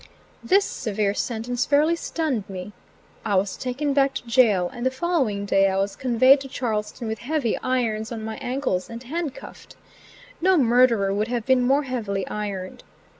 This severe sentence fairly stunned me. I was taken back to jail, and the following day I was conveyed to Charlestown with heavy irons on my ankles and handcuffed. No murderer would have been more heavily ironed.